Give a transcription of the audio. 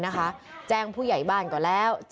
โดนฟันเละเลย